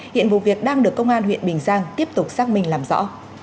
hiện vụ việc đang được công an huyện bình giang tiếp tục xác minh làm rõ